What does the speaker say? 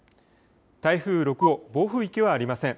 台風６号、暴風域はありません。